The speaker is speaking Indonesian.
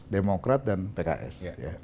demokrat dan pks